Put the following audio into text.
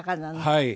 はい。